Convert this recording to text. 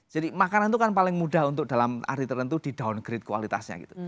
jadi makanan itu kan paling mudah untuk dalam arti tertentu di downgrade kualitasnya gitu